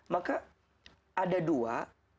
maka ada dua